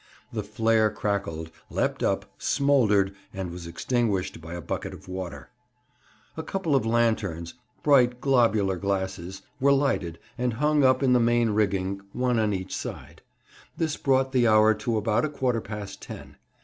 The flare crackled, leapt up, smouldered, and was extinguished by a bucket of water. A couple of lanterns bright globular glasses were lighted, and hung up in the main rigging, one on each side. This brought the hour to about a quarter past ten.